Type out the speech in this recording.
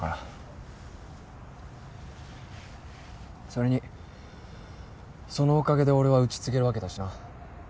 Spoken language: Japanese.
それにそのおかげで俺はうち継げるわけだしな。